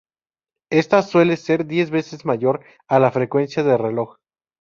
Ésta suele ser diez veces mayor a la frecuencia de reloj.